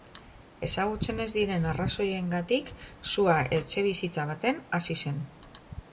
Ezagutzen ez diren arrazoiengatik, sua etxebizitza baten hasi zen.